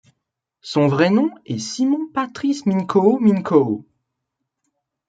Son vrai nom est Simon Patrice Minko’o Minko’o.